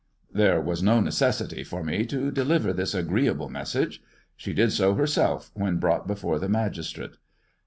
There was no necessity for me to deliver this agreeable message. She did so herself when brought before the magistrate.